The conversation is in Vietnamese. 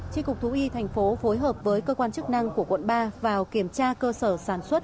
tri cục thú y thành phố phối hợp với cơ quan chức năng của quận ba vào kiểm tra cơ sở sản xuất